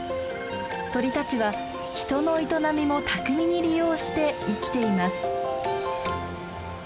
鳥たちは人の営みも巧みに利用して生きています。